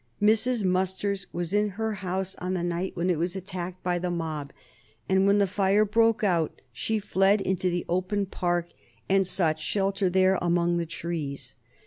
Mrs. Musters was in her house on the night when it was attacked by the mob, and when the fire broke out she fled into the open park and sought shelter there among the trees.